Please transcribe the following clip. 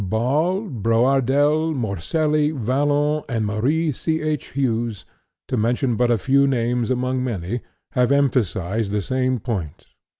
Ball, Brouardel, Morselli, Vallon and Marie, C.H. Hughes, to mention but a few names among many, have emphasized the same point.